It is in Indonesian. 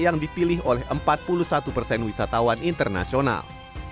yang dipilih oleh empat puluh satu persen wisatawan internasional